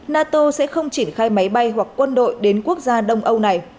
nato sẽ không triển khai máy bay hoặc quân đội đến quốc gia đông âu này